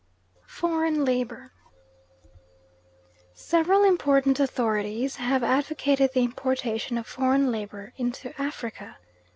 FOREIGN LABOUR. Several important authorities have advocated the importation of foreign labour into Africa.